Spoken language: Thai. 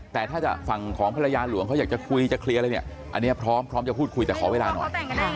แต่ถ้าฝั่งของภรรยาหลวงเขาอยากจะคุยจะเคลียร์อะไรเนี่ยอันนี้พร้อมพร้อมจะพูดคุยแต่ขอเวลาหน่อย